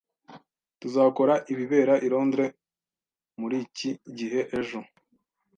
Tuzakora ibibera i Londres muri iki gihe ejo